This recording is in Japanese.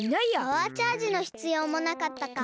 パワーチャージのひつようもなかったか。